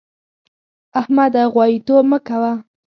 احمده! غواييتوب مه کوه.